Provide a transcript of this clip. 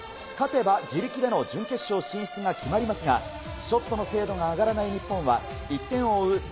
勝てば自力での準決勝進出が決まりますが、ショットの精度が上がらない日本は１点を追う